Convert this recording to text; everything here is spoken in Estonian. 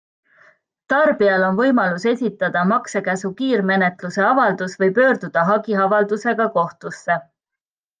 Tarbijail on võimalus esitada maksekäsu kiirmenetluse avaldus või pöörduda hagiavaldusega kohtusse.